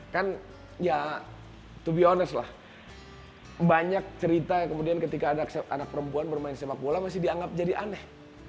kan ya to be honest lah banyak cerita kemudian ketika anak perempuan bermain sepak bola masih dianggap jadi aneh